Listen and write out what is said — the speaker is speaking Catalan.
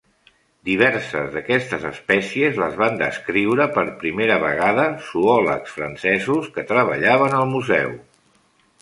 Diverses d'aquestes espècies les van descriure per primera vegada zoòlegs francesos que treballaven al museu.